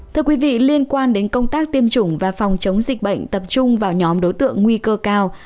thưa quý vị liên quan đến công tác tiêm chủng và phòng chống dịch bệnh tập trung vào nhóm đối tượng nguy cơ cao